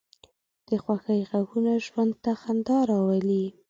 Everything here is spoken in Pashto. د خوښۍ غږونه ژوند ته خندا راولي